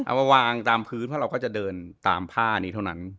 เอามาวางตามพื้นเพราะเราก็จะเดินตามผ้านี้เท่านั้น